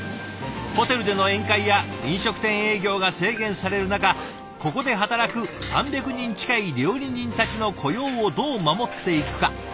ホテルでの宴会や飲食店営業が制限される中ここで働く３００人近い料理人たちの雇用をどう守っていくか。